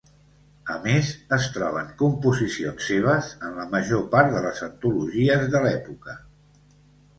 A més, es troben composicions seves en la major part de les antologies de l'època.